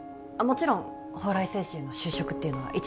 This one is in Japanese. もちろん宝来製紙への就職っていうのは